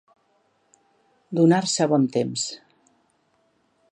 Donar-se bon temps.